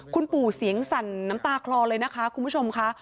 คุณปู่เสียงสั่นน้ำตาคลอเลยนะคะคุณผู้ชมค่ะ